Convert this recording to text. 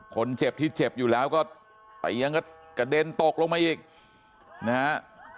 คนเจ็บที่เจ็บอยู่แล้วก็เตียงก็กระเด็นตกลงมาอีกนะฮะ